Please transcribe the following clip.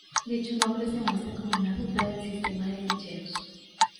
Dicho nombre se muestra como una ruta del sistema de ficheros.